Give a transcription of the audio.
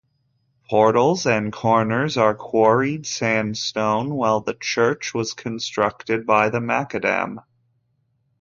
Portals and corners are quarried sandstone, while the church was constructed by the macadam.